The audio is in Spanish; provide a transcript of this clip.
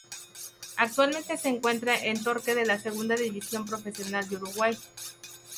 Actualmente se encuentra en Torque de la Segunda División Profesional de Uruguay.